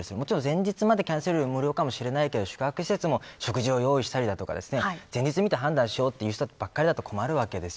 前日までキャンセル料無料かもしれないけど宿泊施設も食事を用意したり前日に判断しようという方ばかりだと困るわけです